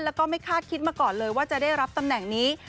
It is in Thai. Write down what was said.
แล้วก็ไม่คาดคิดมาก่อนเลยว่าจะได้รับตำแหน่งนี้